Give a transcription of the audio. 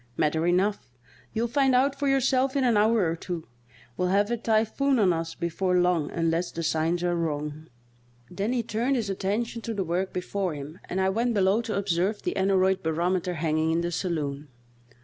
"Matter enough ! You'll find out for yourself in an hour or two. We'll have a typhoon on us before long unless the signs are wrong." Then he turned his attention to the work before him and I went below to observe the aneroid barometer hanging in the saloon.